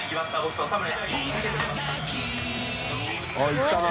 いったな。